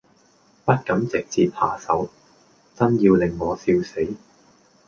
不敢直捷下手，眞要令我笑死。